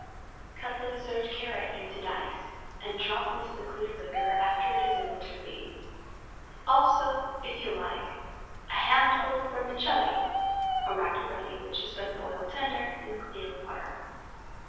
Cut the reserved carrot into dice and drop into the clear liquor after it is in the tureen,—also, if you like, a handful of vermicelli, or macaroni which has been boiled tender in clear water.